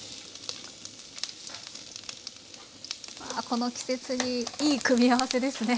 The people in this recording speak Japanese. この季節にいい組み合わせですね。